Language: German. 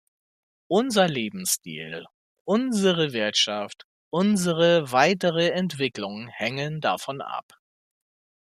Unser Lebensstil, unsere Wirtschaft, unsere weitere Entwicklung hängen davon ab.